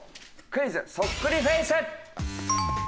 クイズそっくりフェイス。